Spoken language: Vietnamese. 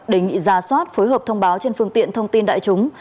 đề nghị ra soát phối hợp thông báo trên phương tiện thông tin đại chúng